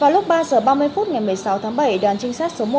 vào lúc ba h ba mươi phút ngày một mươi sáu tháng bảy đoàn trinh sát số một